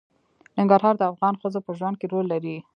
ننګرهار د افغان ښځو په ژوند کې رول لري.